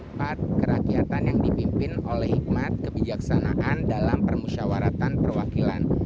empat kerakyatan yang dipimpin oleh hikmat kebijaksanaan dalam permusyawaratan perwakilan